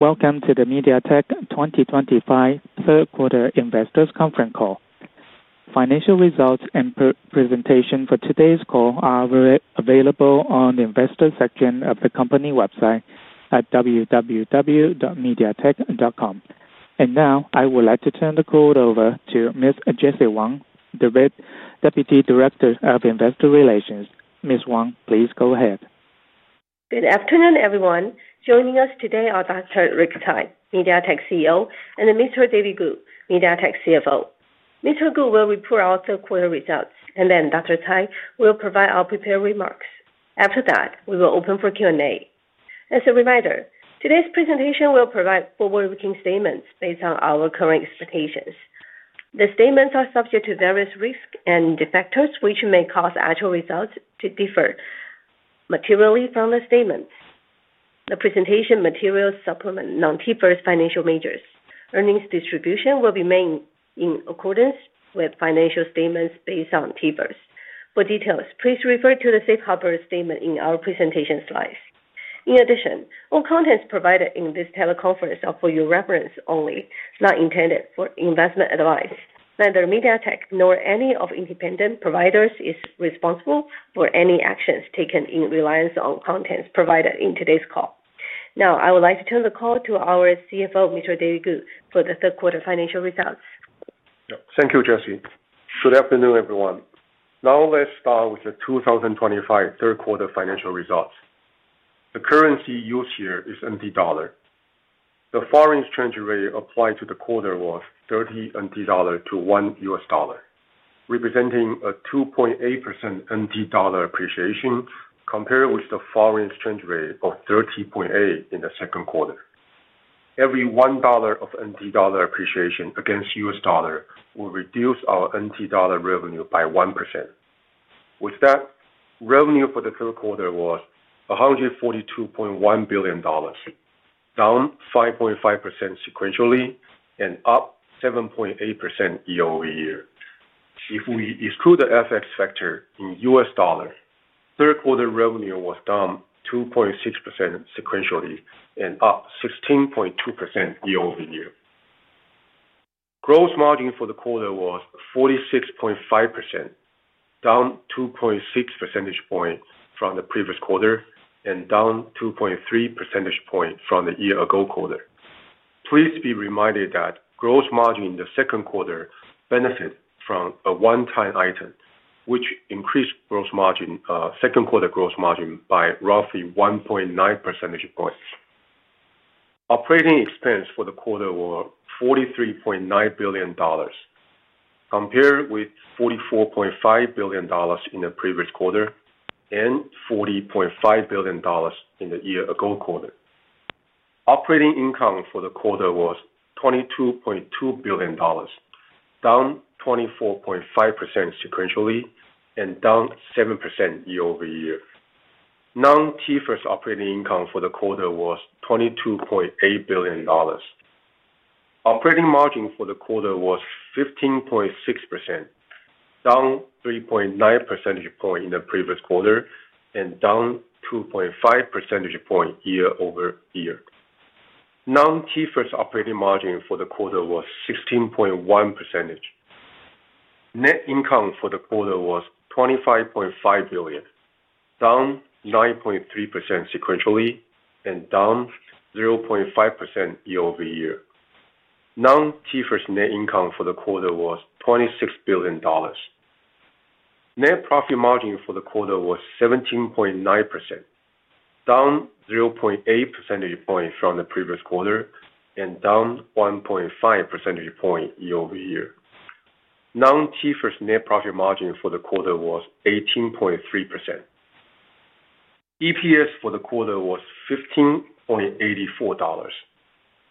Welcome to the MediaTek 2025 Third Quarter Investors Conference Call. Financial results and presentation for today's call are available on the Investor section of the company website at www.mediatek.com. I would like to turn the call over to Ms. Jessie Wang, the Deputy Director of Investor Relations. Ms. Wang, please go ahead. Good afternoon, everyone. Joining us today are Dr. Rick Tsai, MediaTek CEO, and Mr. David Ku, MediaTek CFO. Mr. Ku will report our third quarter results, and then Dr. Tsai will provide our prepared remarks. After that, we will open for Q&A. As a reminder, today's presentation will provide forward-looking statements based on our current expectations. The statements are subject to various risks and factors which may cause actual results to differ materially from the statements. The presentation materials supplement non-TFRS financial measures. Earnings distribution will be made in accordance with financial statements based on TFRS. For details, please refer to the Safe Harbor statement in our presentation slides. In addition, all contents provided in this teleconference are for your reference only, not intended for investment advice. Neither MediaTek nor any of the independent providers is responsible for any actions taken in reliance on contents provided in today's call. Now, I would like to turn the call to our CFO, Mr. David Ku, for the third quarter financial results. Thank you, Jessie. Good afternoon, everyone. Now, let's start with the 2025 third quarter financial results. The currency used here is NTD. The foreign exchange rate applied to the quarter was 30 NTD to 1 US dollar, representing a 2.8% NTD appreciation compared with the foreign exchange rate of 30.8 in the second quarter. Every $1 of NTD appreciation against USD will reduce our NTD revenue by 1%. With that, revenue for the third quarter was $142.1 billion, down 5.5% sequentially and up 7.8% year-over-year. If we exclude the FX factor in USD, third quarter revenue was down 2.6% sequentially and up 16.2% year-over-year. Gross margin for the quarter was 46.5%, down 2.6 percentage points from the previous quarter and down 2.3 percentage points from the year-ago quarter. Please be reminded that gross margin in the second quarter benefits from a one-time item, which increased second quarter gross margin by roughly 1.9 percentage points. Operating expense for the quarter was $43.9 billion, compared with $44.5 billion in the previous quarter and $40.5 billion in the year-ago quarter. Operating income for the quarter was $22.2 billion, down 24.5% sequentially and down 7% year-over-year. Non-TFRS operating income for the quarter was $22.8 billion. Operating margin for the quarter was 15.6%, down 3.9 percentage points from the previous quarter and down 2.5 percentage points year-over-year. Non-TFRS operating margin for the quarter was 16.1%. Net income for the quarter was $25.5 billion, down 9.3% sequentially and down 0.5% year-over-year. Non-TFRS net income for the quarter was $26 billion. Net profit margin for the quarter was 17.9%, down 0.8 percentage points from the previous quarter and down 1.5 percentage points year-over-year. Non-TFRS net profit margin for the quarter was 18.3%. EPS for the quarter was $15.84,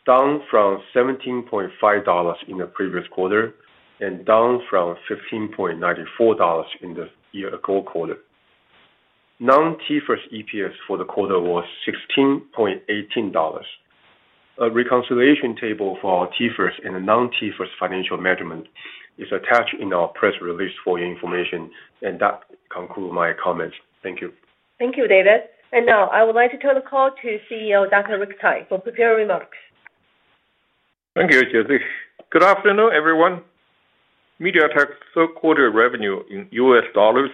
down from $17.5 in the previous quarter and down from $15.94 in the year-ago quarter. Non-TFRS EPS for the quarter was $16.18. A reconciliation table for our TFRS and non-TFRS financial measurement is attached in our press release for your information, and that concludes my comments. Thank you. Thank you, David. I would like to turn the call to CEO, Dr. Rick Tsai, for prepared remarks. Thank you, Jessie. Good afternoon, everyone. MediaTek's third quarter revenue in USD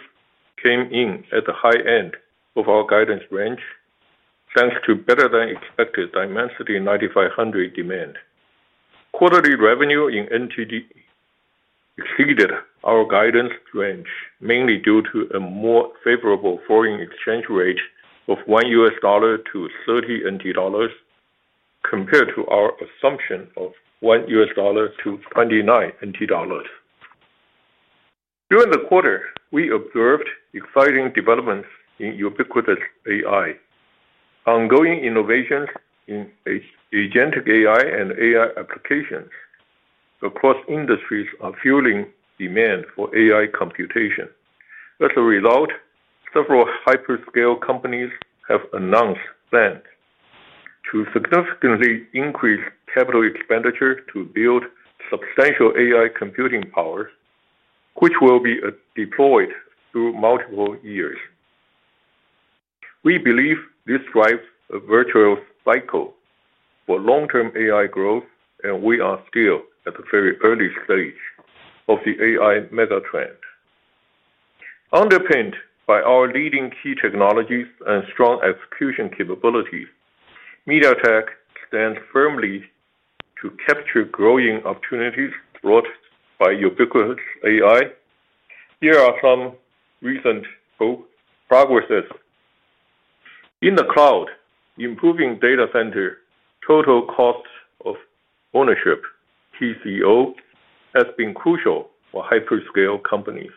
came in at the high end of our guidance range, thanks to better-than-expected Dimensity 9500 demand. Quarterly revenue in NTD exceeded our guidance range, mainly due to a more favorable foreign exchange rate of $1 to $30 NTD, compared to our assumption of $1 to $29 NTD. During the quarter, we observed exciting developments in ubiquitous AI. Ongoing innovations in agentic AI and AI applications across industries are fueling demand for AI computation. As a result, several hyperscale companies have announced plans to significantly increase capital expenditure to build substantial AI computing power, which will be deployed through multiple years. We believe this drives a virtuous cycle for long-term AI growth, and we are still at the very early stage of the AI megatrend. Underpinned by our leading key technologies and strong execution capabilities, MediaTek stands firmly to capture growing opportunities brought by ubiquitous AI. Here are some recent progresses. In the cloud, improving data center total cost of ownership, TCO, has been crucial for hyperscale companies.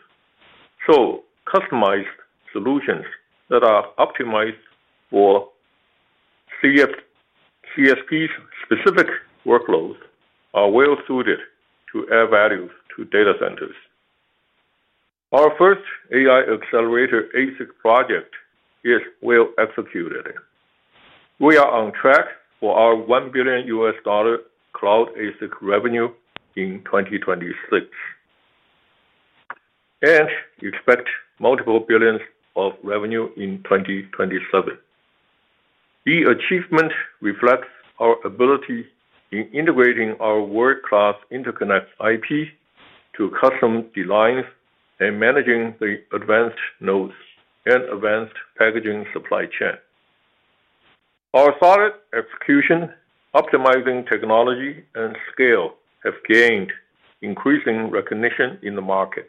Customized solutions that are optimized for CSP-specific workloads are well-suited to add value to data centers. Our first AI accelerator ASIC project is well-executed. We are on track for our $1 billion cloud ASIC revenue in 2026 and expect multiple billions of revenue in 2027. The achievement reflects our ability in integrating our world-class interconnect IP to custom DLNAs and managing the advanced nodes and advanced packaging supply chain. Our solid execution, optimizing technology, and scale have gained increasing recognition in the market.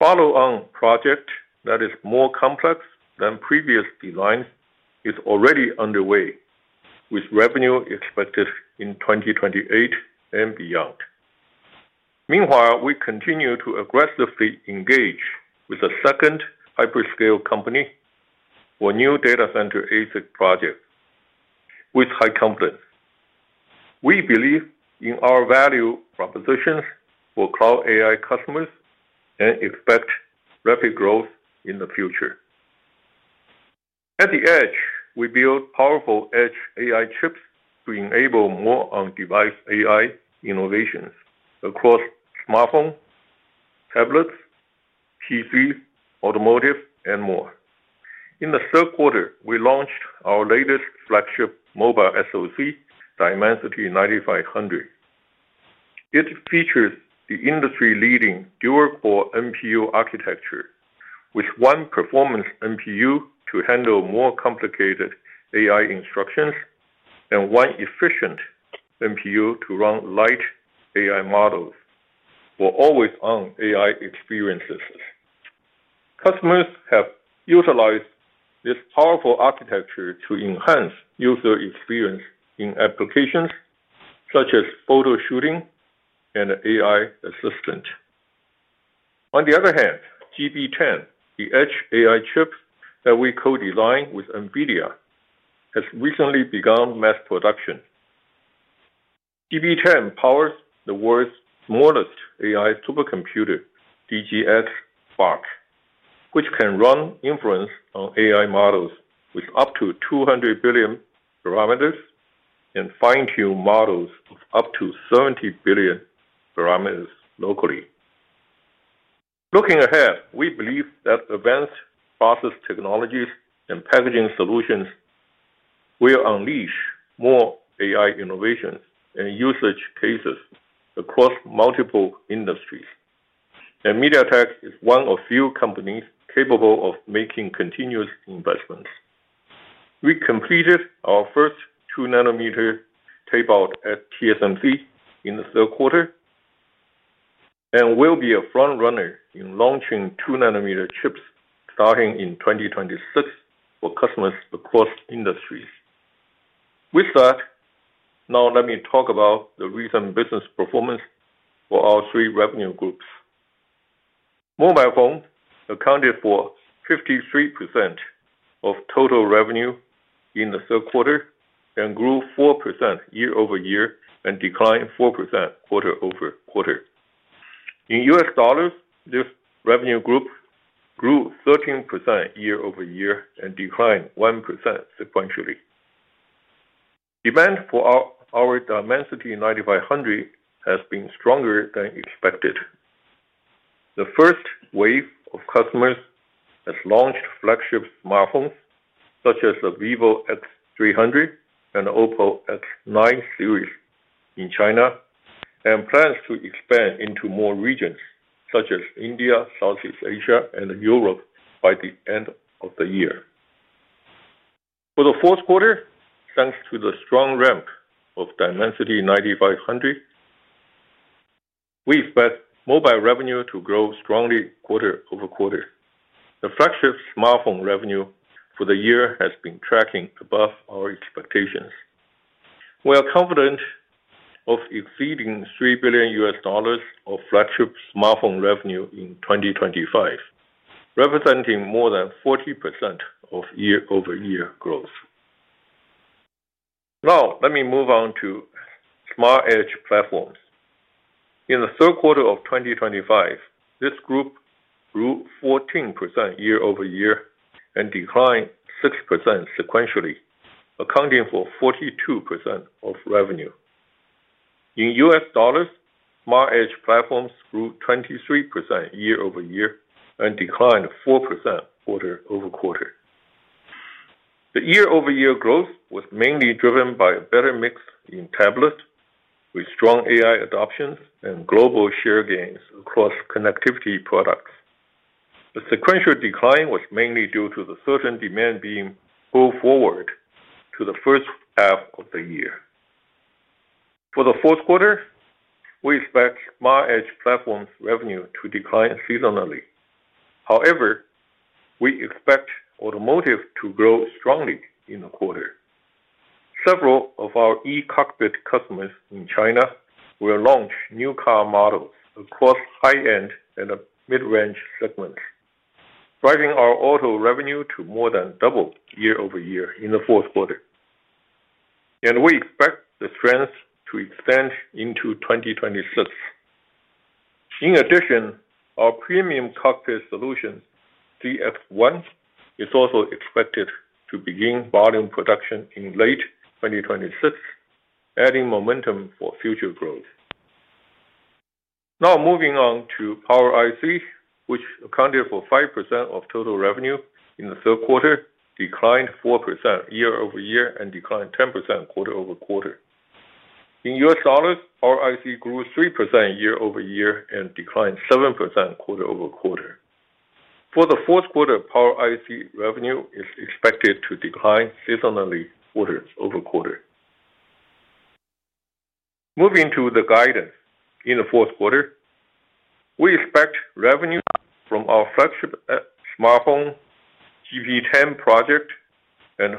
Follow-on project that is more complex than previous DLNAs is already underway, with revenue expected in 2028 and beyond. Meanwhile, we continue to aggressively engage with the second hyperscale company for new data center ASIC projects. With high confidence, we believe in our value propositions for cloud AI customers and expect rapid growth in the future. At the edge, we build powerful edge AI chips to enable more on-device AI innovations across smartphones, tablets, PCs, automotive, and more. In the third quarter, we launched our latest flagship mobile SoC, Dimensity 9500. It features the industry-leading dual-core NPU architecture, with one performance NPU to handle more complicated AI instructions and one efficient NPU to run light AI models for always-on AI experiences. Customers have utilized this powerful architecture to enhance user experience in applications such as photo shooting and AI assistant. On the other hand, GB10, the edge AI chip that we co-designed with NVIDIA, has recently begun mass production. GB10 powers the world's smallest AI supercomputer, DGX Spark AI supercomputer, which can run inference on AI models with up to 200 billion parameters and fine-tune models with up to 70 billion parameters locally. Looking ahead, we believe that advanced process technologies and packaging solutions will unleash more AI innovations and usage cases across multiple industries. MediaTek is one of few companies capable of making continuous investments. We completed our first 2-nanometer tape-out at TSMC in the third quarter and will be a front-runner in launching 2-nanometer chips starting in 2026 for customers across industries. With that, now let me talk about the recent business performance for our three revenue groups. Mobile phones accounted for 53% of total revenue in the third quarter and grew 4% year-over-year and declined 4% quarter over quarter. In USD, this revenue group grew 13% year-over-year and declined 1% sequentially. Demand for our Dimensity 9500 has been stronger than expected. The first wave of customers has launched flagship smartphones such as the Vivo X300 and Oppo X9 series in China and plans to expand into more regions such as India, Southeast Asia, and Europe by the end of the year. For the fourth quarter, thanks to the strong ramp of Dimensity 9500, we expect mobile revenue to grow strongly quarter over quarter. The flagship smartphone revenue for the year has been tracking above our expectations. We are confident of exceeding $3 billion of flagship smartphone revenue in 2025, representing more than 40% of year-over-year growth. Now, let me move on to smart edge platforms. In the third quarter of 2025, this group grew 14% year-over-year and declined 6% sequentially, accounting for 42% of revenue. In USD, smart edge platforms grew 23% year-over-year and declined 4% quarter over quarter. The year-over-year growth was mainly driven by a better mix in tablets with strong AI adoptions and global share gains across connectivity products. The sequential decline was mainly due to certain demand being pulled forward to the first half of the year. For the fourth quarter, we expect smart edge platforms' revenue to decline seasonally. However, we expect automotive to grow strongly in the quarter. Several of our e-cockpit customers in China will launch new car models across high-end and mid-range segments, driving our auto revenue to more than double year-over-year in the fourth quarter. We expect the trends to extend into 2026. In addition, our premium cockpit solution, CX-1, is also expected to begin volume production in late 2026, adding momentum for future growth. Now, moving on to Power IC, which accounted for 5% of total revenue in the third quarter, declined 4% year-over-year and declined 10% quarter over quarter. In USD, Power IC grew 3% year-over-year and declined 7% quarter over quarter. For the fourth quarter, Power IC revenue is expected to decline seasonally quarter over quarter. Moving to the guidance in the fourth quarter, we expect revenue from our flagship smartphone, GB10 project, and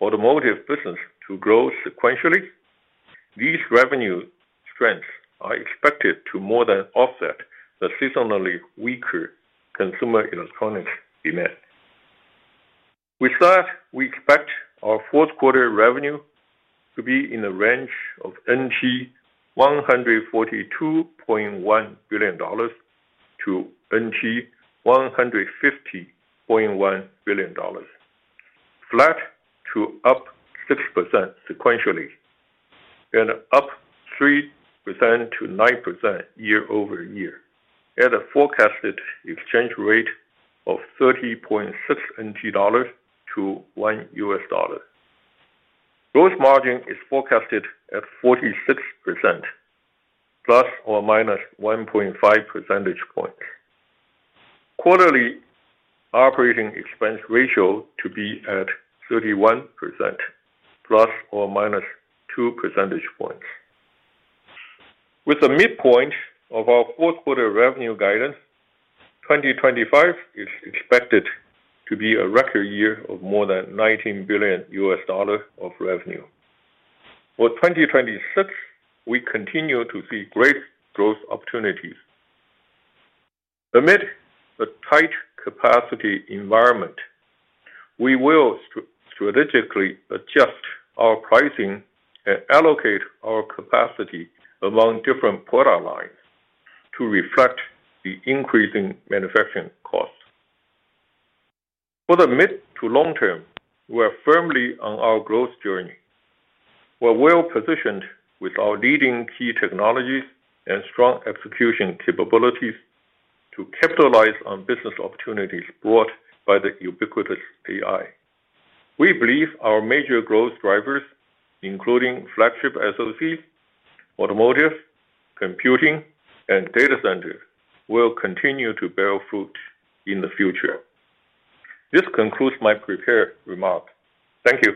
automotive business to grow sequentially. These revenue strengths are expected to more than offset the seasonally weaker consumer electronics demand. With that, we expect our fourth quarter revenue to be in the range of NT$142.1 billion to NT$150.1 billion, flat to up 6% sequentially, and up 3% to 9% year-over-year at a forecasted exchange rate of $30.6 NTD to $1. Gross margin is forecasted at 46%, plus or minus 1.5 percentage points, quarterly. Operating expense ratio to be at 31%, plus or minus 2 percentage points. With the midpoint of our fourth quarter revenue guidance, 2025 is expected to be a record year of more than $19 billion of revenue. For 2026, we continue to see great growth opportunities. Amid a tight capacity environment, we will strategically adjust our pricing and allocate our capacity among different product lines to reflect the increasing manufacturing costs. For the mid to long term, we are firmly on our growth journey. We're well-positioned with our leading key technologies and strong execution capabilities to capitalize on business opportunities brought by the ubiquitous AI. We believe our major growth drivers, including flagship SoCs, automotive, computing, and data centers, will continue to bear fruit in the future. This concludes my prepared remarks. Thank you.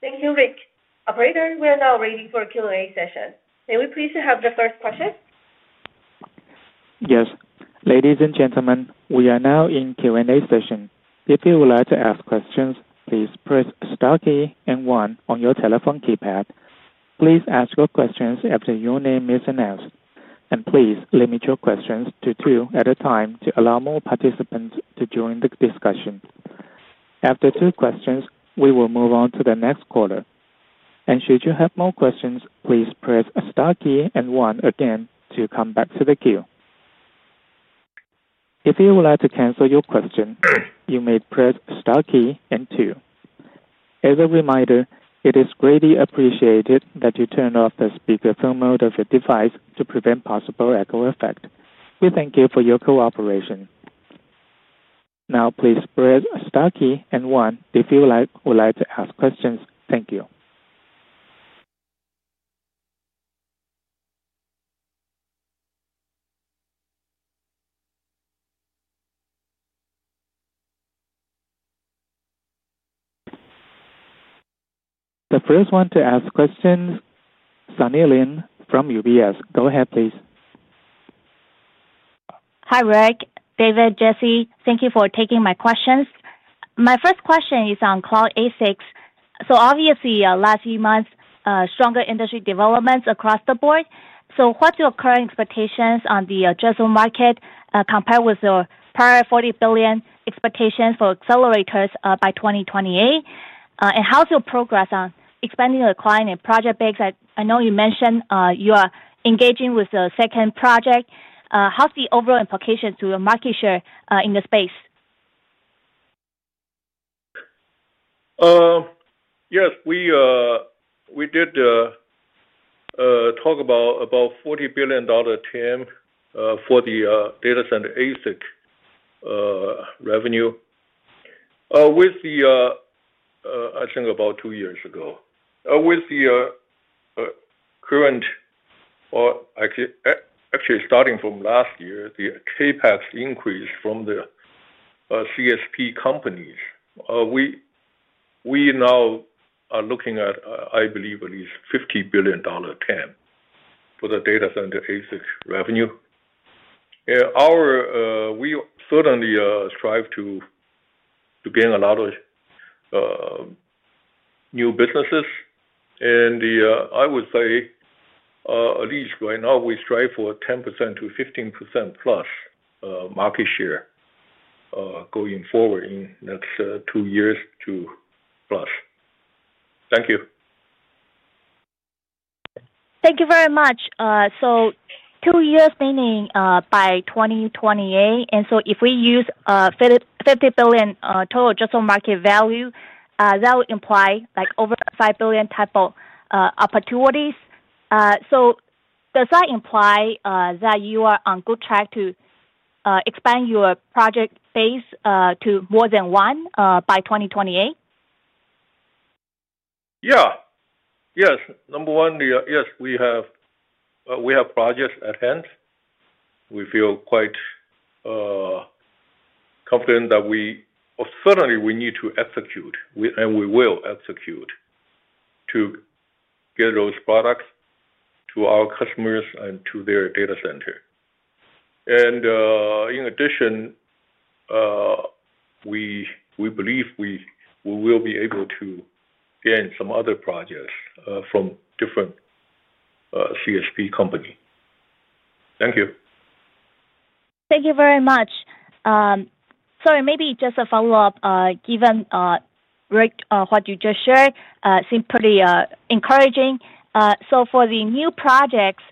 Thank you, Rick. Operator, we are now ready for a Q&A session. May we please have the first question? Yes. Ladies and gentlemen, we are now in Q&A session. If you would like to ask questions, please press star key and 1 on your telephone keypad. Please ask your questions after your name is announced. Please limit your questions to two at a time to allow more participants to join the discussion. After two questions, we will move on to the next quarter. Should you have more questions, please press star key and 1 again to come back to the queue. If you would like to cancel your question, you may press star key and 2. As a reminder, it is greatly appreciated that you turn off the speakerphone mode of your device to prevent possible echo effect. We thank you for your cooperation. Now, please press star key and 1 if you would like to ask questions. Thank you. The first one to ask questions, Sunny Lin from UBS. Go ahead, please. Hi, Rick, David, Jessie, thank you for taking my questions. My first question is on cloud ASIC. Obviously, last few months, stronger industry developments across the board. What's your current expectations on the addressable market compared with your prior $40 billion expectations for accelerators by 2028? How's your progress on expanding your client and project base? I know you mentioned you are engaging with the second project. How's the overall implication to your market share in the space? Yes, we did talk about about $40 billion TAM for the data center ASIC revenue. I think about two years ago, with the current, or actually starting from last year, the CapEx increase from the CSP companies, we now are looking at, I believe, at least $50 billion TAM for the data center ASIC revenue. We certainly strive to gain a lot of new businesses, and I would say at least right now, we strive for 10%-15%+ market share going forward in the next two years plus. Thank you. Thank you very much. Two years meaning by 2028. If we use $50 billion total addressable market value, that would imply over $5 billion type of opportunities. Does that imply that you are on good track to expand your project base to more than one by 2028? Yes, we have projects at hand. We feel quite confident that we certainly need to execute, and we will execute to get those products to our customers and to their data center. In addition, we believe we will be able to gain some other projects from different CSP companies. Thank you. Thank you very much. Sorry, maybe just a follow-up. Given what you just shared, Rick, seemed pretty encouraging. For the new projects,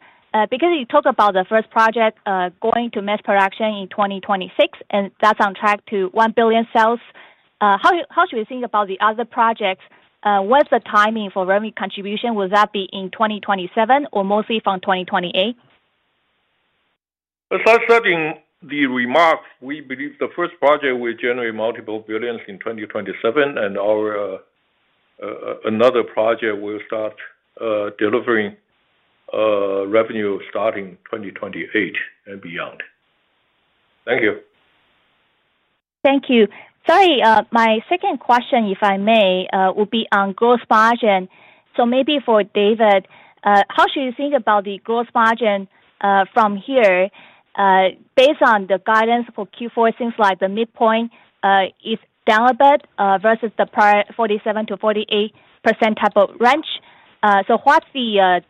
because you talked about the first project going to mass production in 2026, and that's on track to $1 billion sales, how should we think about the other projects? What's the timing for revenue contribution? Will that be in 2027 or mostly from 2028? As I said in the remarks, we believe the first project will generate multiple billions in 2027. Another project will start delivering revenue starting 2028 and beyond. Thank you. Thank you. Sorry, my second question, if I may, would be on gross margin. Maybe for David. How should you think about the gross margin from here, based on the guidance for Q4? It seems like the midpoint is down a bit versus the prior 47%-48% type of range. What's the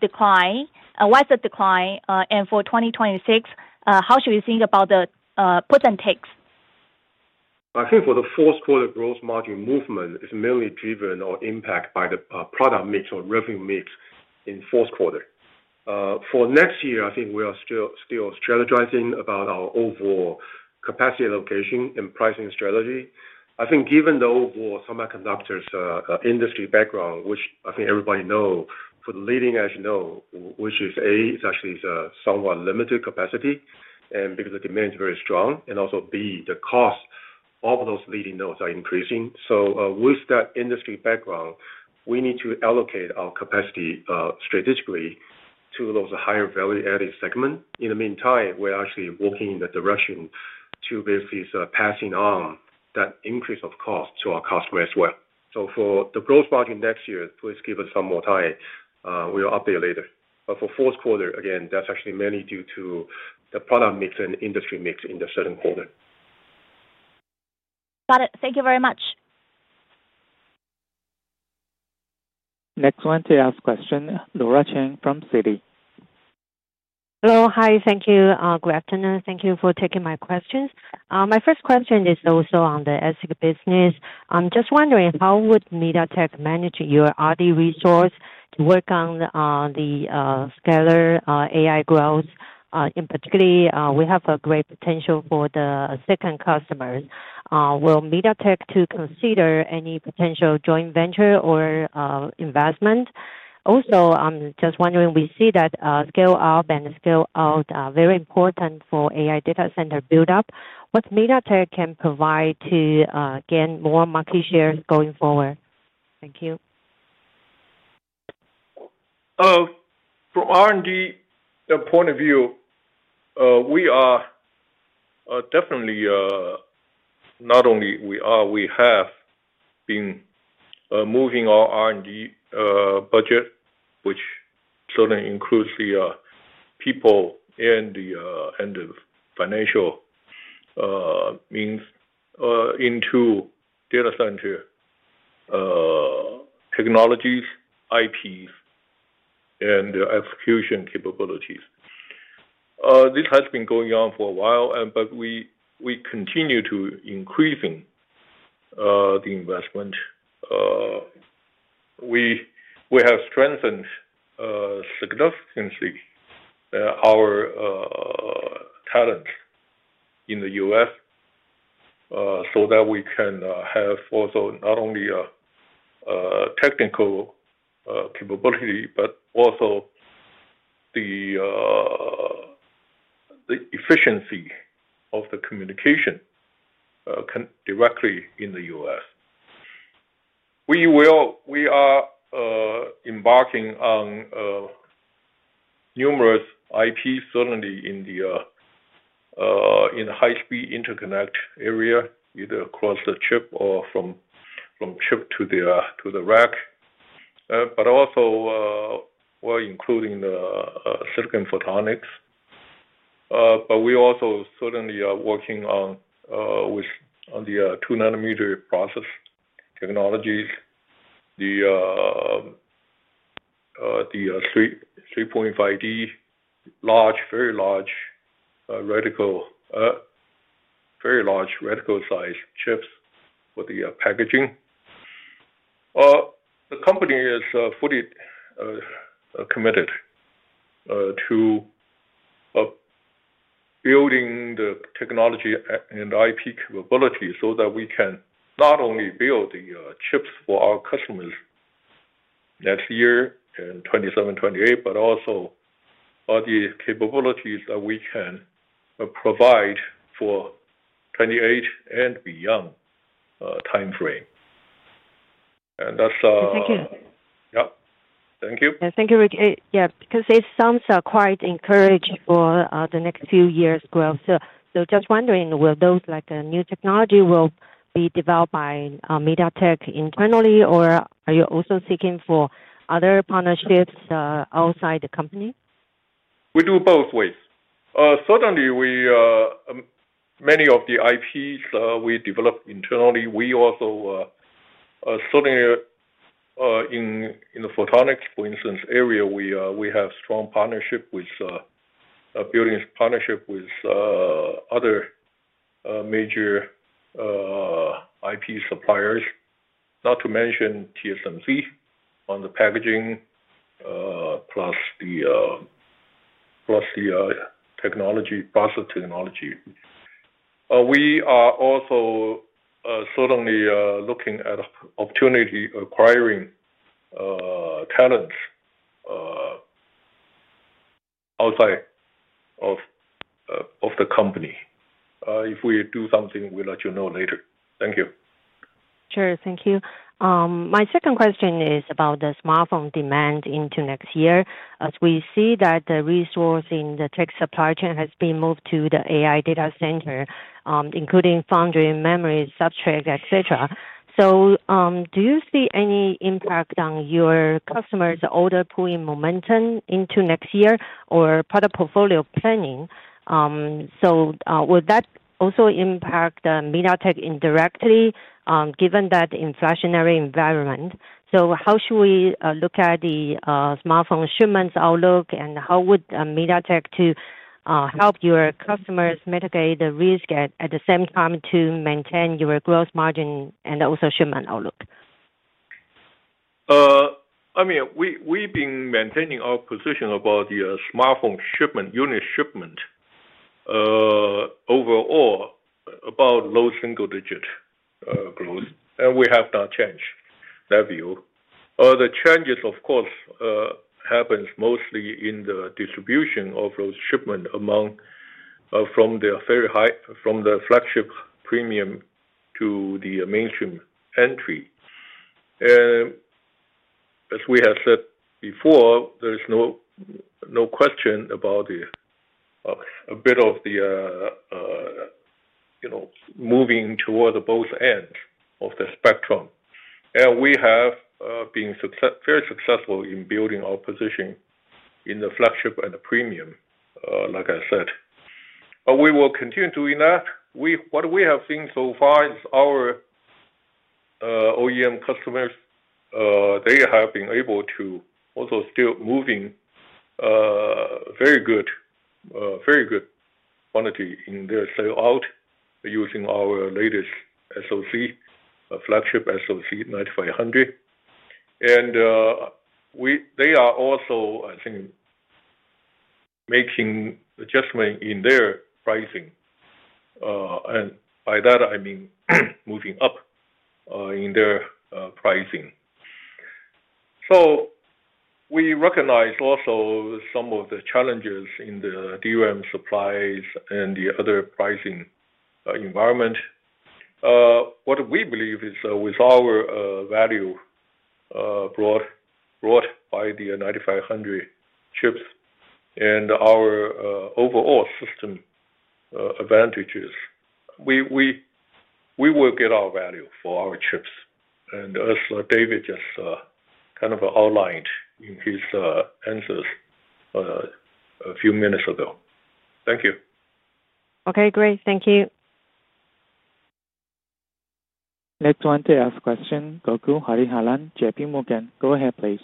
decline, and for 2026, how should we think about the puts and takes? I think for the fourth quarter, gross margin movement is mainly driven or impacted by the product mix or revenue mix in the fourth quarter. For next year, I think we are still strategizing about our overall capacity allocation and pricing strategy. I think given the overall semiconductors industry background, which I think everybody knows, for the leading edge node, which is A, it's actually somewhat limited capacity, and because the demand is very strong, and also B, the cost of those leading nodes are increasing. With that industry background, we need to allocate our capacity strategically to those higher value-added segments. In the meantime, we're actually working in the direction to basically pass on that increase of cost to our customers as well. For the gross margin next year, please give us some more time. We'll update later. For fourth quarter, again, that's actually mainly due to the product mix and industry mix in the second quarter. Got it. Thank you very much. Next one to ask question, Laura Chen from Citi. Hello. Hi. Thank you. Good afternoon. Thank you for taking my questions. My first question is also on the ASIC business. I'm just wondering how would MediaTek manage your R&D resource to work on the scalar AI growth? In particular, we have a great potential for the second customers. Will MediaTek consider any potential joint venture or investment? Also, I'm just wondering, we see that scale-up and scale-out are very important for AI data center buildup. What MediaTek can provide to gain more market share going forward? Thank you. From an R&D point of view, we are definitely not only, we have been moving our R&D budget, which certainly includes the people and the financial means, into data center technologies, IPs, and execution capabilities. This has been going on for a while, but we continue to increase the investment. We have strengthened significantly our talents in the U.S. so that we can have also not only technical capability, but also the efficiency of the communication directly in the U.S. We are embarking on numerous IPs, certainly in the high-speed interconnect area, either across the chip or from chip to the rack. We're including the silicon photonics. We also certainly are working on the 2-nanometer process technologies, the 3.5D, very large reticle size chips for the packaging. The company is fully committed to building the technology and the IP capability so that we can not only build the chips for our customers next year and 2027, 2028, but also the capabilities that we can provide for 2028 and beyond timeframe. And that's. Thank you. Thank you. Thank you, Rick. Yeah, because it sounds quite encouraging for the next few years' growth. Just wondering, will those new technologies be developed by MediaTek internally, or are you also seeking other partnerships outside the company? We do both ways. Many of the IPs we develop internally. In the photonics, for instance, area, we have strong partnerships with other major IP suppliers, not to mention TSMC on the packaging plus the technology, process technology. We are also certainly looking at opportunity acquiring talents outside of the company. If we do something, we'll let you know later. Thank you. Thank you. My second question is about the smartphone demand into next year. As we see that the resource in the tech supply chain has been moved to the AI data center, including foundry, memory, substrate, etc., do you see any impact on your customers' order pooling momentum into next year or product portfolio planning? Would that also impact MediaTek indirectly, given that inflationary environment? How should we look at the smartphone shipments outlook, and how would MediaTek help your customers mitigate the risk at the same time to maintain your gross margin and also shipment outlook? We've been maintaining our position about the smartphone shipment, unit shipment. Overall, about low single-digit growth, and we have not changed that view. The changes, of course, happen mostly in the distribution of those shipments among, from the very high, from the flagship premium to the mainstream entry. As we have said before, there is no question about a bit of the moving toward both ends of the spectrum. We have been very successful in building our position in the flagship and the premium, like I said. We will continue doing that. What we have seen so far is our OEM customers, they have been able to also still moving very good quantity in their sale out using our latest SoC, flagship SoC 9500. They are also, I think, making adjustments in their pricing, and by that, I mean moving up in their pricing. We recognize also some of the challenges in the DRAM supplies and the other pricing environment. What we believe is with our value brought by the 9500 chips and our overall system advantages, we will get our value for our chips, as David just kind of outlined in his answers a few minutes ago. Thank you. Okay. Great. Thank you. Next one to ask question, Gokul Hariharan, JPMorgan. Go ahead, please.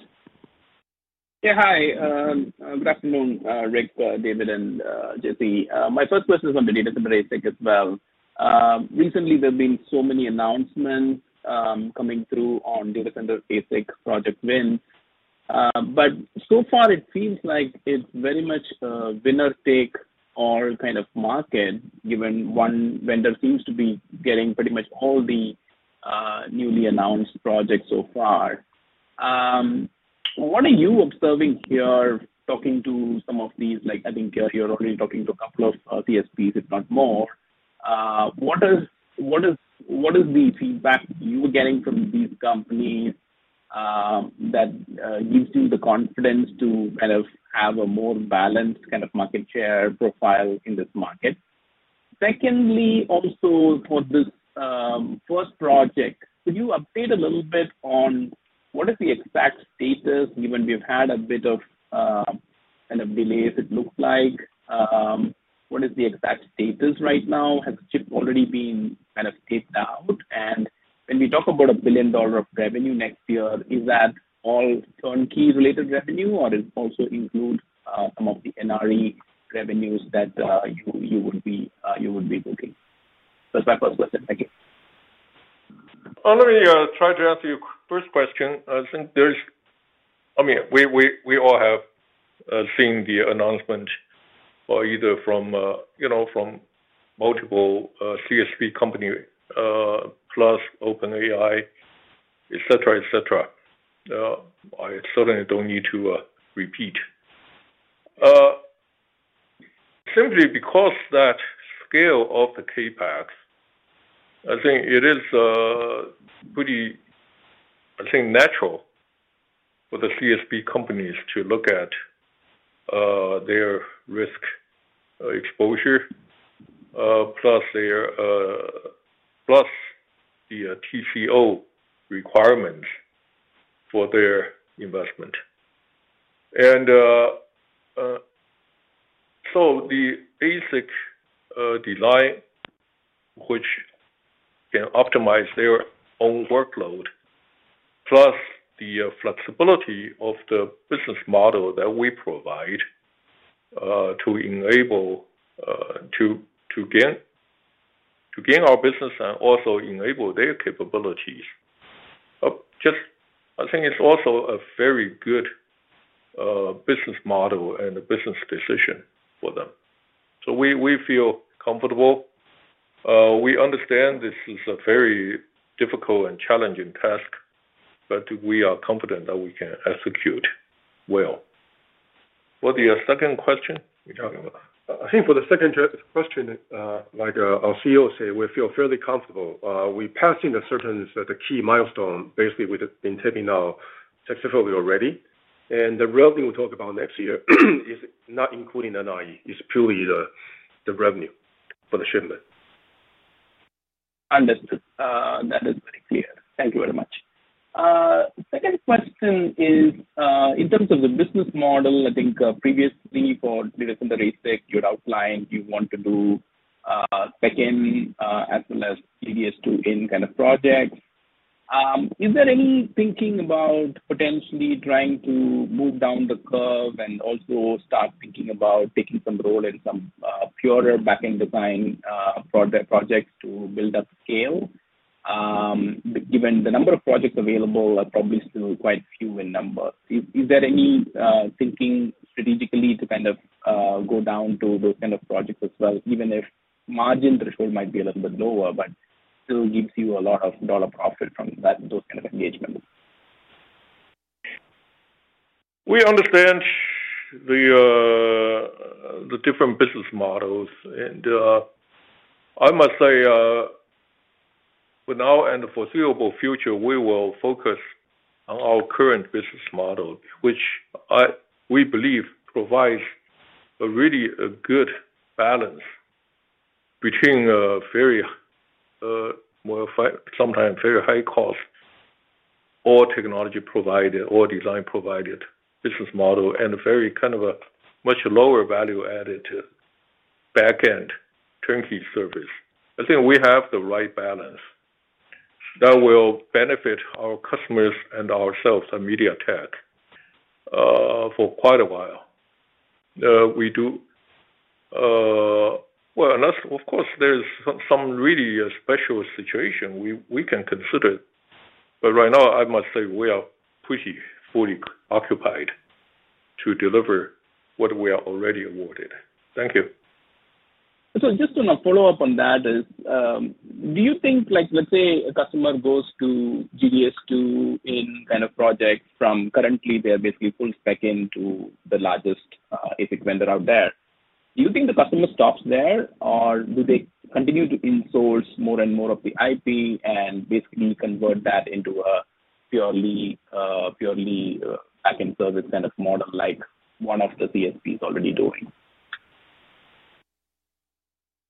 Yeah. Hi. Good afternoon, Rick, David, and Jessie. My first question is on the data center ASIC as well. Recently, there have been so many announcements coming through on data center ASIC project win. So far, it seems like it's very much a winner-take-all kind of market, given one vendor seems to be getting pretty much all the newly announced projects so far. What are you observing here talking to some of these? I think you're already talking to a couple of TSPs, if not more. What is the feedback you were getting from these companies that gives you the confidence to kind of have a more balanced kind of market share profile in this market? Secondly, also for this first project, could you update a little bit on what is the exact status? Given we've had a bit of kind of delay, it looks like. What is the exact status right now? Has the chip already been kind of taped out? When we talk about a billion-dollar revenue next year, is that all turnkey-related revenue, or does it also include some of the NRE revenues that you would be looking? That's my first question. Thank you. I'm going to try to answer your first question. I think there is, I mean, we all have seen the announcement, either from multiple TSP companies, plus OpenAI, etc., etc. I certainly don't need to repeat, simply because that scale of the CapEx. I think it is pretty, I think, natural for the TSP companies to look at their risk exposure, plus the TCO requirements for their investment. The ASIC design, which can optimize their own workload, plus the flexibility of the business model that we provide to enable, to gain our business and also enable their capabilities, I think it's also a very good business model and a business decision for them. We feel comfortable. We understand this is a very difficult and challenging task, but we are confident that we can execute well. For the second question, we're talking about? I think for the second question, like our CEO said, we feel fairly comfortable. We're passing a certain key milestone. Basically, we've been taking our test photo already. The revenue we're talking about next year is not including NRE. It's purely the revenue for the shipment. Understood. That is very clear. Thank you very much. Second question is, in terms of the business model, I think previously for data center ASIC, you had outlined you want to do. Second as well as previous two-in kind of projects. Is there any thinking about potentially trying to move down the curve and also start thinking about taking some role in some purer backend design projects to build up scale? Given the number of projects available are probably still quite few in number, is there any thinking strategically to kind of go down to those kind of projects as well, even if margin threshold might be a little bit lower, but still gives you a lot of dollar profit from those kind of engagements? We understand the different business models. I must say, in our foreseeable future, we will focus on our current business model, which we believe provides a really good balance between a very, sometimes very high-cost or technology-provided or design-provided business model and a very kind of a much lower value-added backend turnkey service. I think we have the right balance that will benefit our customers and ourselves, MediaTek, for quite a while. Of course, there's some really special situation we can consider. Right now, I must say we are pretty fully occupied to deliver what we are already awarded. Thank you. Just on a follow-up on that, do you think, let's say, a customer goes to GDS2 in kind of projects from currently they are basically full spec in to the largest ASIC vendor out there? Do you think the customer stops there, or do they continue to insource more and more of the IP and basically convert that into a purely backend service kind of model like one of the TSPs already doing?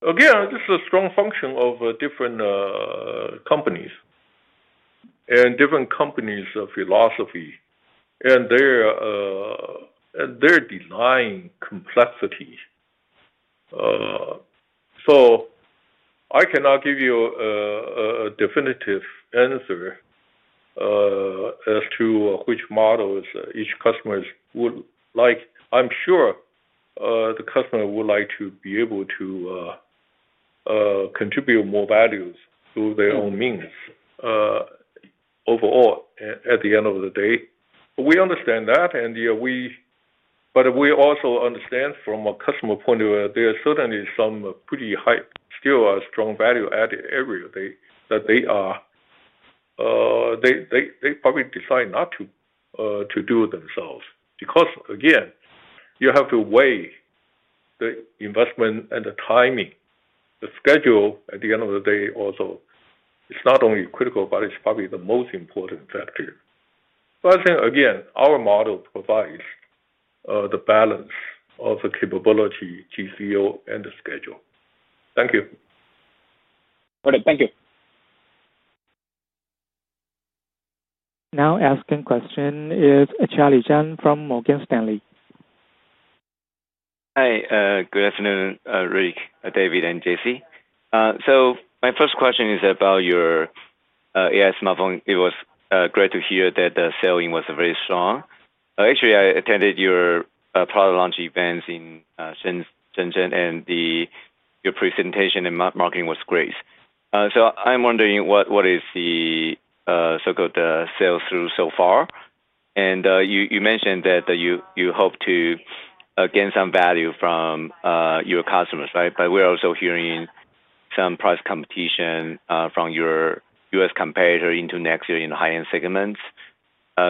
Again, this is a strong function of different companies and different companies' philosophy. They're denying complexity. I cannot give you a definitive answer as to which models each customer would like. I'm sure the customer would like to be able to contribute more values through their own means. Overall, at the end of the day, we understand that. We also understand from a customer point of view, there are certainly some pretty high, still strong value-added areas that they are. They probably decide not to do it themselves because, again, you have to weigh the investment and the timing. The schedule at the end of the day also is not only critical, but it's probably the most important factor. I think, again, our model provides the balance of the capability, TCO, and the schedule. Thank you. Perfect. Thank you. Now, asking question is Charlie Chan from Morgan Stanley. Hi. Good afternoon, Rick, David, and Jessie. My first question is about your AI smartphone. It was great to hear that the selling was very strong. Actually, I attended your product launch events in Shenzhen, and your presentation and marketing was great. I'm wondering what is the so-called sale through so far? You mentioned that you hope to gain some value from your customers, right? We're also hearing some price competition from your U.S. competitor into next year in high-end segments.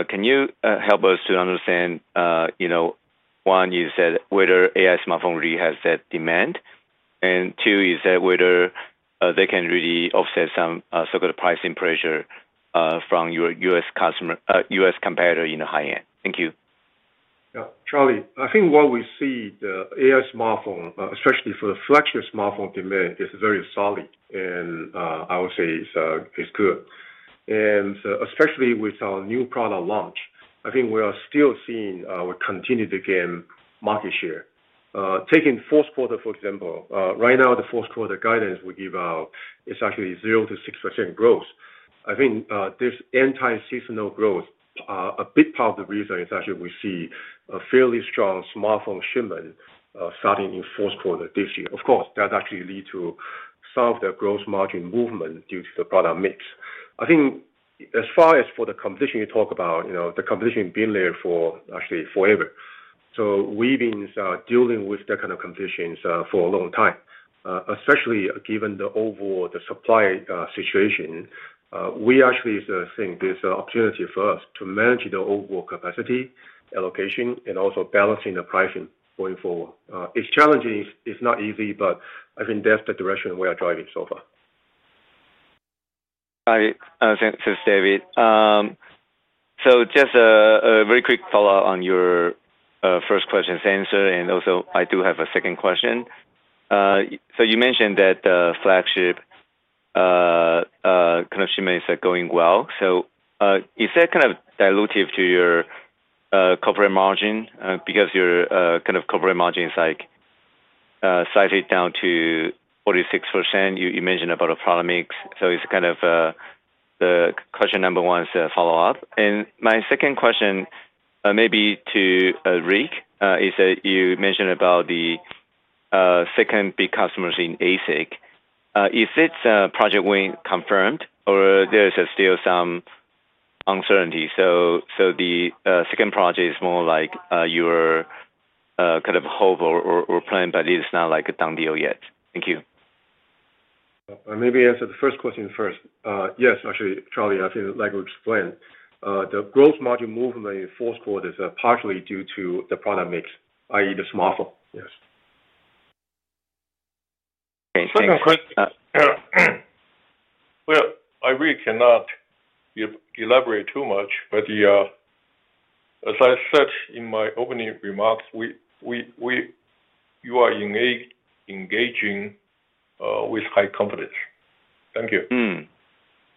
Can you help us to understand, one, you said whether AI smartphone really has that demand? Two, you said whether they can really offset some so-called pricing pressure from your U.S. competitor in high-end? Thank you. Yeah. Charlie, I think what we see, the AI smartphone, especially for the flagship smartphone demand, is very solid. I would say it's good, especially with our new product launch. I think we are still seeing we continue to gain market share. Taking fourth quarter, for example, right now, the fourth quarter guidance we give out is actually 0% to 6% growth. I think this anti-seasonal growth, a big part of the reason is actually we see a fairly strong smartphone shipment starting in fourth quarter this year. Of course, that actually leads to some of the gross margin movement due to the product mix. As far as for the competition you talk about, the competition has been there for actually forever. We've been dealing with that kind of competition for a long time. Especially given the overall supply situation, we actually think there's an opportunity for us to manage the overall capacity allocation and also balancing the pricing going forward. It's challenging. It's not easy, but I think that's the direction we are driving so far. All right. Thanks, David. Just a very quick follow-up on your first question's answer. I do have a second question. You mentioned that the flagship kind of shipment is going well. Is that kind of dilutive to your corporate margin? Because your corporate margin is slightly down to 46%. You mentioned about a product mix. The question number one is a follow-up. My second question, maybe to Rick, is that you mentioned about the second big customers in ASIC. Is this project win confirmed, or there's still some uncertainty? The second project is more like your kind of hope or plan, but it is not like a done deal yet. Thank you. Maybe answer the first question first. Yes, actually, Charlie, I think like we explained, the gross margin movement in the fourth quarter is partially due to the product mix, i.e., the smartphone. Yes. Thank you. Second question. I really cannot elaborate too much, but as I said in my opening remarks, you are engaging with high confidence. Thank you.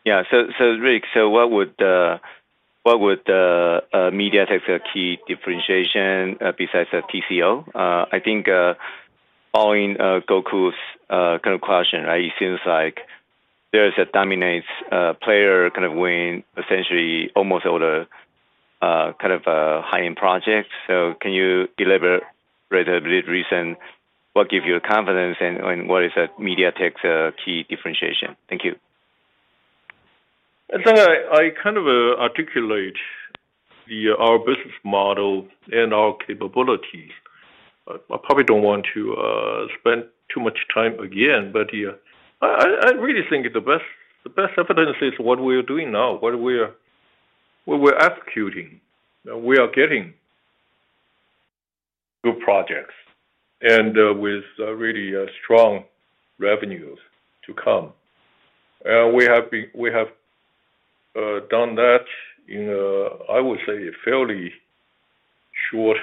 Yeah. Rick, what would MediaTek's key differentiation be besides the TCO? Following Gokul's kind of question, it seems like there's a dominant player kind of winning essentially almost all the high-end projects. Can you elaborate a bit recently? What gives you confidence, and what is MediaTek's key differentiation? Thank you. I think I kind of articulate our business model and our capabilities. I probably don't want to spend too much time again, but I really think the best evidence is what we're doing now, what we're executing. We are getting good projects and with really strong revenues to come. We have done that in, I would say, a fairly short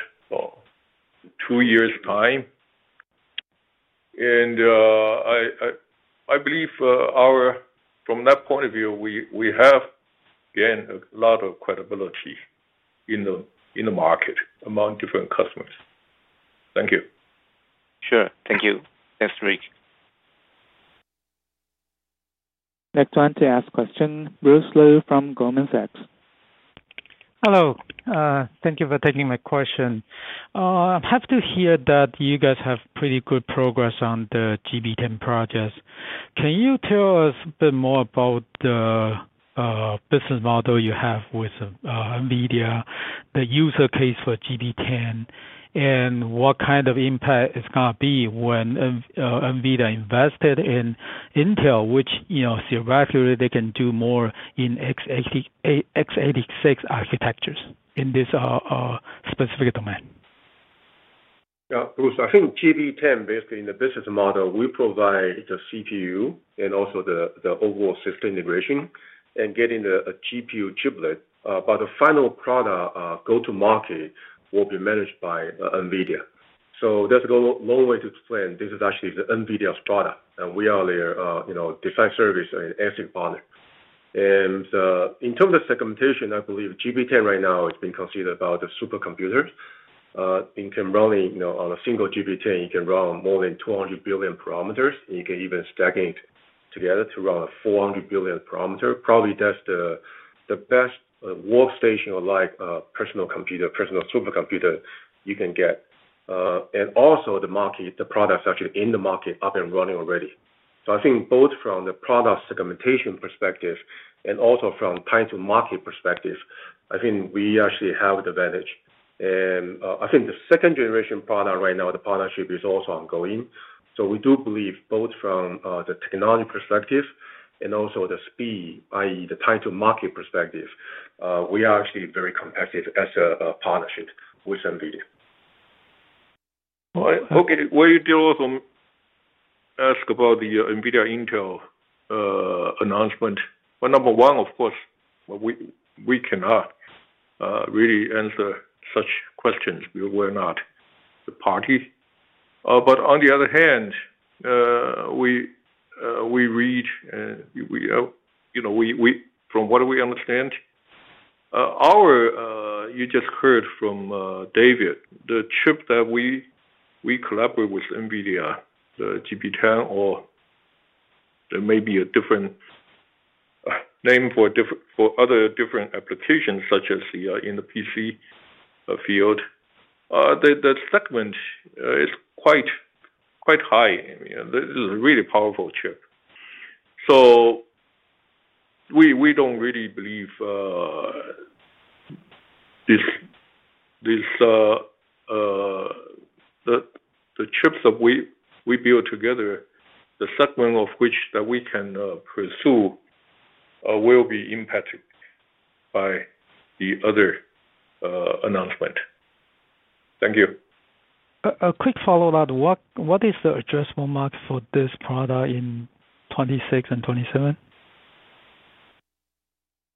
two years' time. I believe from that point of view, we have gained a lot of credibility in the market among different customers. Thank you. Sure. Thank you. Thanks, Rick. Next one to ask question, Bruce Lu from Goldman Sachs. Hello. Thank you for taking my question. I'm happy to hear that you guys have pretty good progress on the GB10 projects. Can you tell us a bit more about the business model you have with NVIDIA, the user case for GB10, and what kind of impact it's going to be when NVIDIA invested in Intel, which theoretically they can do more in x86 architectures in this specific domain? Yeah. Bruce, I think GB10, basically in the business model, we provide the CPU and also the overall system integration and getting a GPU chiplet. The final product go to market will be managed by NVIDIA. There's a long way to explain. This is actually the NVIDIA product. We are their design service and ASIC partner. In terms of segmentation, I believe GB10 right now is being considered about the supercomputers. You can run it on a single GB10. You can run more than 200 billion parameters. You can even stack it together to run a 400 billion parameter. Probably that's the best workstation-like personal computer, personal supercomputer you can get. The product is actually in the market, up and running already. I think both from the product segmentation perspective and also from time to market perspective, we actually have the advantage. I think the second-generation product right now, the partnership is also ongoing. We do believe both from the technology perspective and also the speed, i.e., the time to market perspective, we are actually very competitive as a partnership with NVIDIA. I hope we did also. Ask about the NVIDIA Intel announcement. Number one, of course, we cannot really answer such questions. We're not the party. On the other hand, we read, and from what we understand, you just heard from David, the chip that we collaborate with NVIDIA, the GB10, or there may be a different name for other different applications such as in the PC field. The segment is quite high. This is a really powerful chip. We don't really believe the chips that we build together, the segment of which that we can pursue, will be impacted by the other announcement. Thank you. A quick follow-up. What is the addressable market for this product in 2026 and 2027?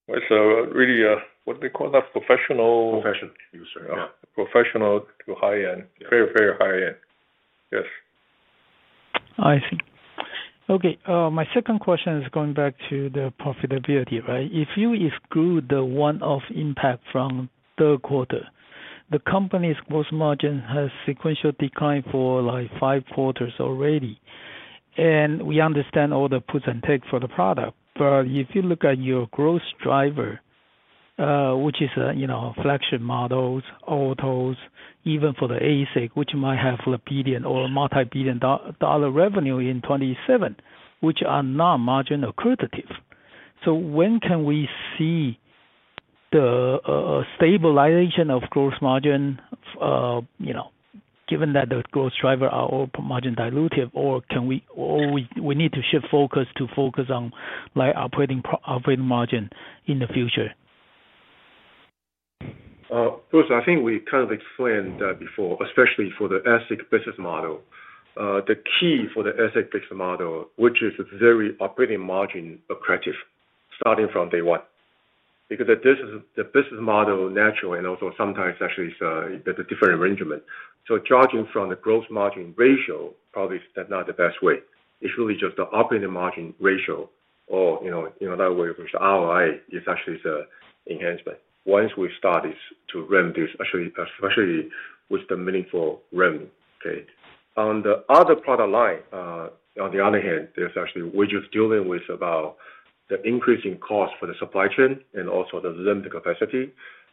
It's really, what do they call that, professional. Professional user. Yeah. Professional to high-end, very, very high-end. Yes. I see. Okay. My second question is going back to the profitability, right? If you exclude the one-off impact from third quarter, the company's gross margin has sequential decline for like five quarters already. We understand all the pros and cons for the product. If you look at your gross driver, which is flagship models, autos, even for the ASIC, which might have a billion or multibillion dollar revenue in 2027, which are non-margin accretative, when can we see the stabilization of gross margin? Given that the gross driver are all margin dilutive, or we need to shift focus to focus on operating margin in the future? Bruce, I think we kind of explained that before, especially for the ASIC business model. The key for the ASIC business model, which is very operating margin accretative starting from day one, because the business model is natural and also sometimes actually it's a different arrangement. Judging from the gross margin ratio, probably that's not the best way. It's really just the operating margin ratio, or in another way, which is ROI, is actually the enhancement. Once we start to revenue, especially with the meaningful revenue. On the other product line, on the other hand, we're just dealing with about the increasing cost for the supply chain and also the limited capacity.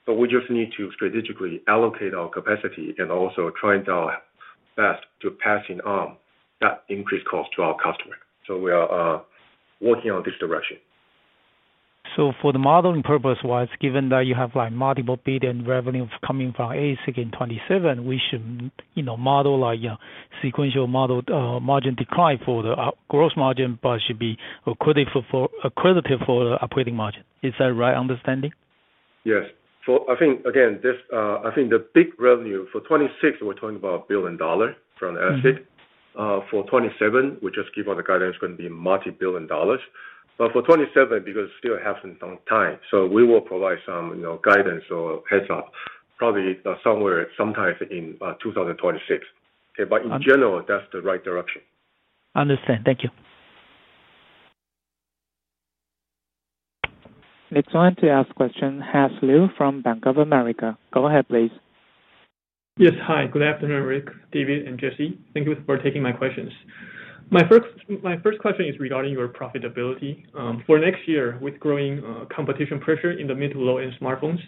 We just need to strategically allocate our capacity and also try and do our best to pass on that increased cost to our customer. We are working on this direction. For the modeling purpose, given that you have multiple billion revenue coming from ASIC in 2027, we should model sequential margin decline for the gross margin, but it should be accredited for the operating margin. Is that a right understanding? Yes. I think the big revenue for 2026, we're talking about $1 billion from the ASIC. For 2027, we just give out the guidance, it's going to be multibillion dollars. For 2027, because we still have some time, we will provide some guidance or heads-up probably sometime in 2026. In general, that's the right direction. Understood. Thank you. Next one to ask question Hess Liu from Bank of America. Go ahead, please. Yes. Hi. Good afternoon, Rick, David, and Jessie. Thank you for taking my questions. My first question is regarding your profitability for next year. With growing competition pressure in the mid to low-end smartphones,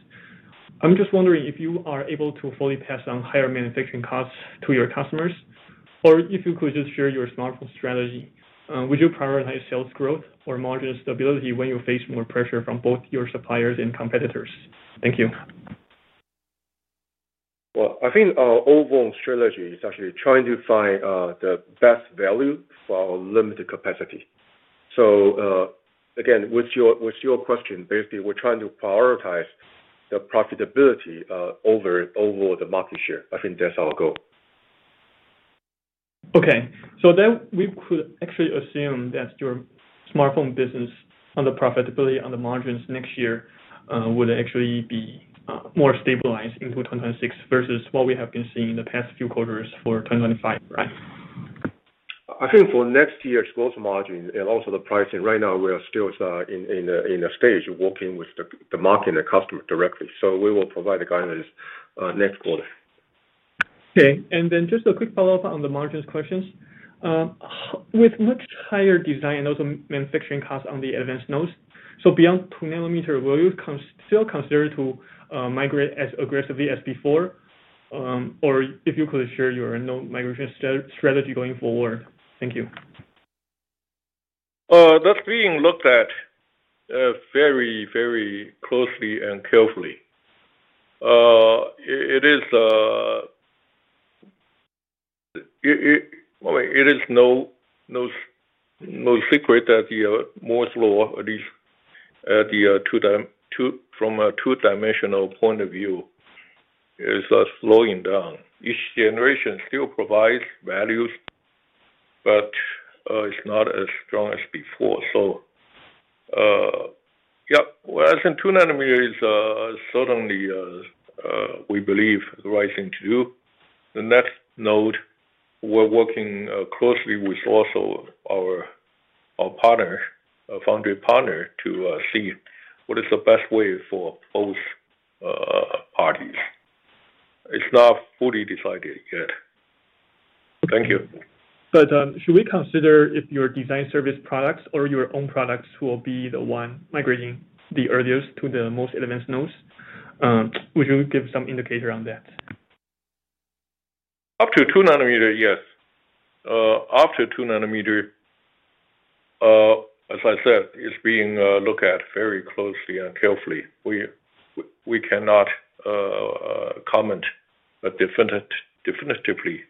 I'm just wondering if you are able to fully pass on higher manufacturing costs to your customers, or if you could just share your smartphone strategy. Would you prioritize sales growth or margin stability when you face more pressure from both your suppliers and competitors? Thank you. I think our overall strategy is actually trying to find the best value for our limited capacity. With your question, basically, we're trying to prioritize the profitability over the market share. I think that's our goal. Okay. We could actually assume that your smartphone business on the profitability, on the margins next year would actually be more stabilized into 2026 versus what we have been seeing in the past few quarters for 2025, right? I think for next year's gross margin and also the pricing, right now we are still in a stage working with the market and the customer directly. We will provide the guidance next quarter. Okay. Just a quick follow-up on the margins questions. With much higher design and also manufacturing costs on the advanced nodes, so beyond 2-nanometer, will you still consider to migrate as aggressively as before? If you could share your known migration strategy going forward. Thank you. That's being looked at very, very closely and carefully. I mean, it is no secret that the more slow, at least from a two-dimensional point of view, is slowing down. Each generation still provides values, but it's not as strong as before. As in 2-nanometer, certainly we believe the right thing to do. The next node, we're working closely with also our foundry partner to see what is the best way for both parties. It's not fully decided yet. Thank you. Should we consider if your design service products or your own products will be the one migrating the earliest to the most advanced nodes? Would you give some indicator on that? Up to 2-nanometer, yes. After 2-nanometer, as I said, it's being looked at very closely and carefully. We cannot comment definitively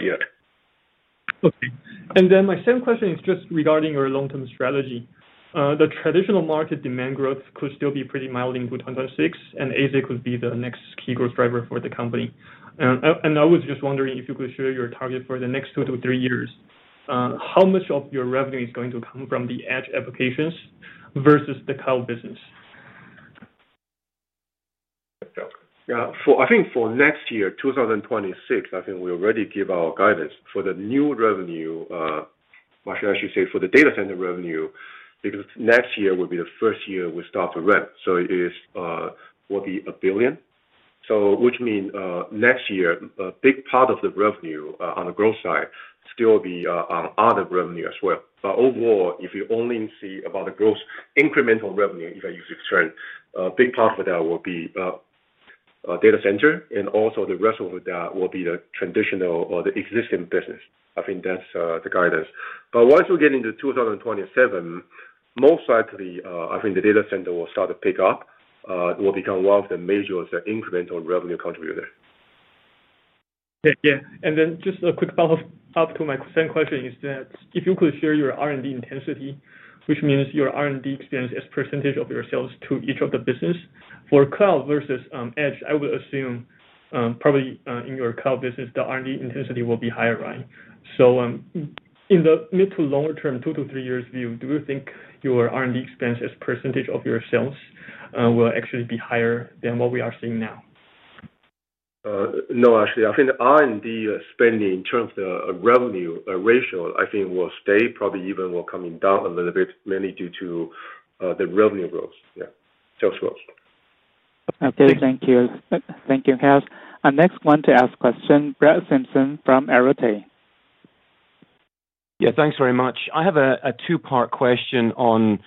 yet. Okay. My second question is just regarding your long-term strategy. The traditional market demand growth could still be pretty mild in 2026, and ASIC would be the next key growth driver for the company. I was just wondering if you could share your target for the next two to three years. How much of your revenue is going to come from the edge applications versus the cloud business? Yeah. I think for next year, 2026, I think we already gave our guidance for the new revenue. I should say for the data center revenue, because next year will be the first year we start to run. It will be $1 billion, which means next year, a big part of the revenue on the growth side still will be on other revenue as well. Overall, if you only see about the gross incremental revenue, if I use this term, a big part of that will be data center, and also the rest of that will be the traditional or the existing business. I think that's the guidance. Once we get into 2027, most likely, I think the data center will start to pick up. It will become one of the major incremental revenue contributors. Yeah. Just a quick follow-up to my second question is that if you could share your R&D intensity, which means your R&D expense as % of your sales to each of the business. For cloud versus edge, I would assume probably in your cloud business, the R&D intensity will be higher, right? In the mid to longer term, two to three years view, do you think your R&D expense as % of your sales will actually be higher than what we are seeing now? No, actually. I think the R&D spending in terms of the revenue ratio, I think, will stay, probably even will come down a little bit, mainly due to the revenue growth, yeah, sales growth. Okay. Thank you. Thank you, Hess. Our next one to ask question, Brett Simpson from Arete. Yeah. Thanks very much. I have a two-part question on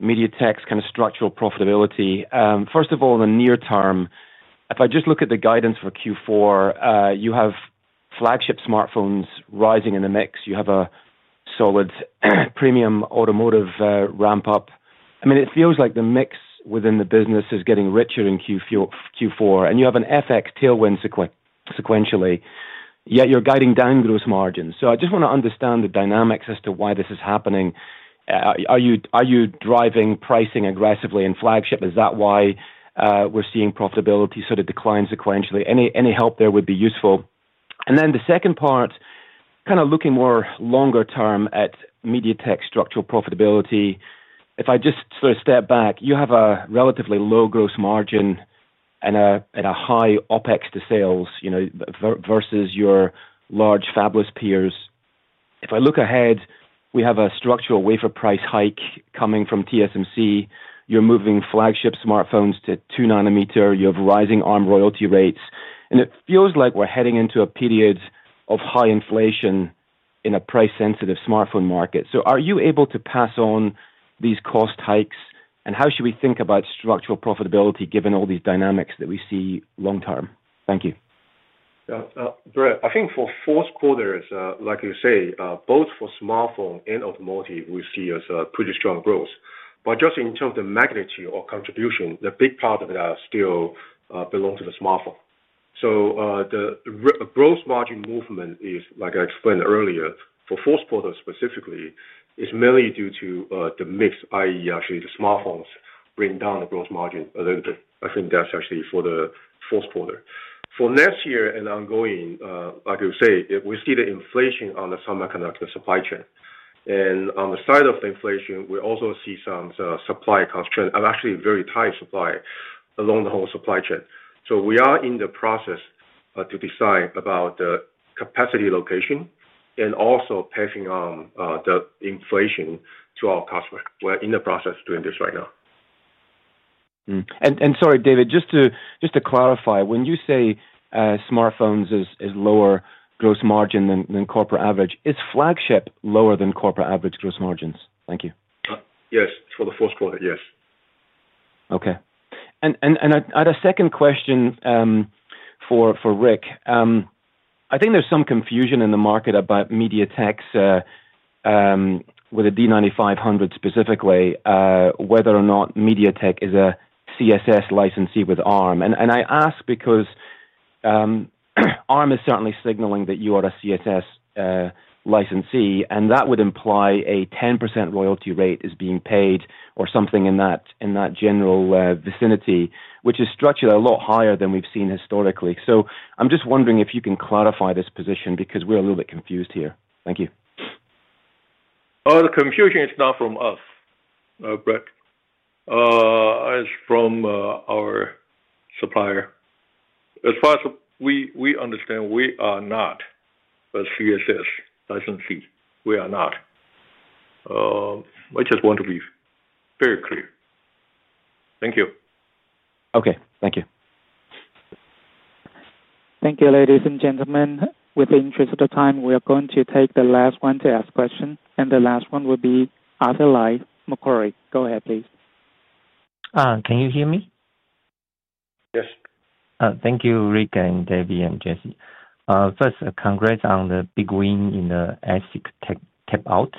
MediaTek's kind of structural profitability. First of all, in the near term, if I just look at the guidance for Q4, you have flagship smartphones rising in the mix. You have a solid premium automotive ramp-up. I mean, it feels like the mix within the business is getting richer in Q4. You have an FX tailwind sequentially, yet you're guiding down gross margins. I just want to understand the dynamics as to why this is happening. Are you driving pricing aggressively in flagship? Is that why we're seeing profitability sort of decline sequentially? Any help there would be useful. The second part, kind of looking more longer term at MediaTek's structural profitability. If I just sort of step back, you have a relatively low gross margin and a high OpEx to sales versus your large fabless peers. If I look ahead, we have a structural wafer price hike coming from TSMC. You're moving flagship smartphones to 2-nanometer. You have rising ARM royalty rates. It feels like we're heading into a period of high inflation in a price-sensitive smartphone market. Are you able to pass on these cost hikes? How should we think about structural profitability given all these dynamics that we see long-term? Thank you. Yeah. I think for fourth quarter, like you say, both for smartphone and automotive, we see a pretty strong growth. Just in terms of the magnitude or contribution, the big part of that still belongs to the smartphone. The gross margin movement is, like I explained earlier, for fourth quarter specifically, mainly due to the mix, i.e., actually the smartphones bring down the gross margin a little bit. I think that's actually for the fourth quarter. For next year and ongoing, like you say, we see the inflation on the semiconductor supply chain. On the side of the inflation, we also see some supply constraint, actually very tight supply along the whole supply chain. We are in the process to decide about the capacity location and also passing on the inflation to our customer. We're in the process of doing this right now. Sorry, David, just to clarify, when you say smartphones is lower gross margin than corporate average, is flagship lower than corporate average gross margins? Thank you. Yes, for the fourth quarter, yes. Okay. I had a second question for Rick. I think there's some confusion in the market about MediaTek with the Dimensity 9500 SoC specifically, whether or not MediaTek is a CSS licensee with ARM. I ask because ARM is certainly signaling that you are a CSS licensee, and that would imply a 10% royalty rate is being paid or something in that general vicinity, which is structured a lot higher than we've seen historically. I'm just wondering if you can clarify this position because we're a little bit confused here. Thank you. The confusion is not from us, Brad. It's from our supplier. As far as we understand, we are not a CSS licensee. We are not. I just want to be very clear. Thank you. Okay, thank you. Thank you, ladies and gentlemen. In the interest of time, we are going to take the last one to ask questions. The last one will be Arthur Lai, Macquarie. Go ahead, please. Can you hear me? Yes. Thank you, Rick and David and Jessie. First, congrats on the big win in the ASIC tape-out.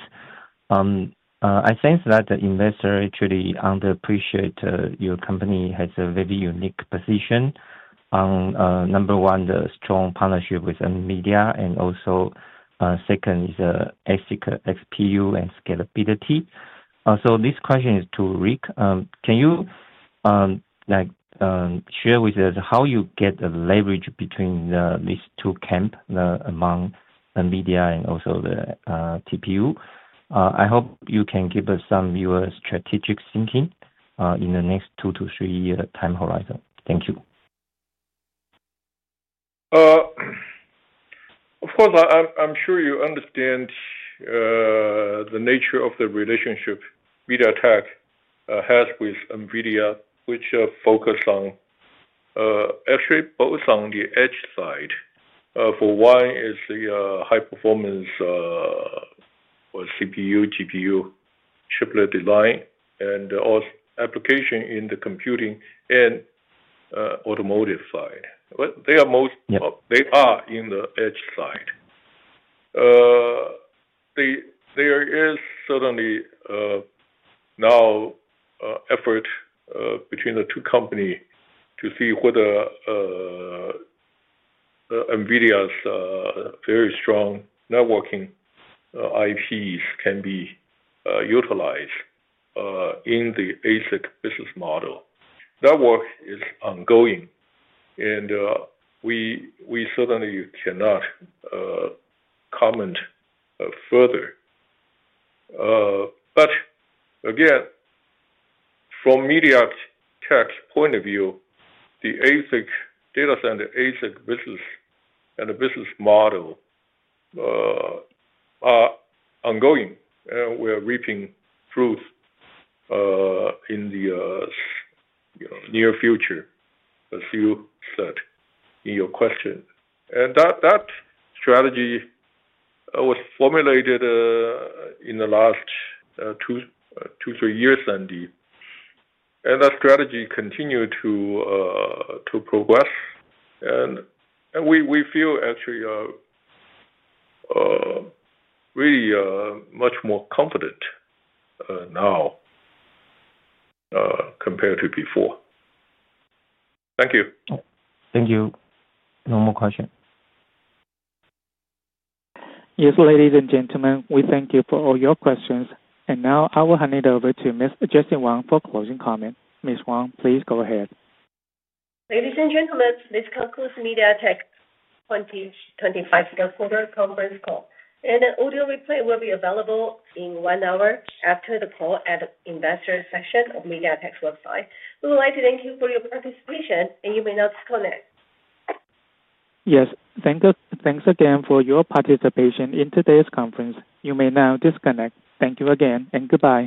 I sense that the investor actually underappreciates your company has a very unique position. Number one, the strong partnership with NVIDIA, and also, second is ASIC XPU and scalability. This question is to Rick. Can you share with us how you get the leverage between these two camps, among NVIDIA and also the TPU? I hope you can give us some viewer strategic thinking in the next two to three-year time horizon. Thank you. Of course, I'm sure you understand. The nature of the relationship MediaTek has with NVIDIA, which focuses on actually both on the edge side. For one, it's the high-performance CPU, GPU, chiplet design, and application in the computing and automotive side. They are most, they are in the edge side. There is certainly now effort between the two companies to see whether NVIDIA's very strong networking IPs can be utilized in the ASIC business model. That work is ongoing. We certainly cannot comment further. Again, from MediaTek's point of view, the ASIC data center, ASIC business, and the business model are ongoing, and we are reaping fruits in the near future, as you said in your question. That strategy was formulated in the last two, three years, Andy, and that strategy continued to progress. We feel actually really much more confident now compared to before. Thank you. Thank you. No more questions. Yes, ladies and gentlemen, we thank you for all your questions. I will hand it over to Ms. Jessie Wang for closing comments. Ms. Wang, please go ahead. Ladies and gentlemen, this concludes MediaTek 2025 fourth quarter conference call. An audio replay will be available in one hour after the call at the investor section of MediaTek's website. We would like to thank you for your participation, and you may now disconnect. Yes. Thanks again for your participation in today's conference. You may now disconnect. Thank you again, and goodbye.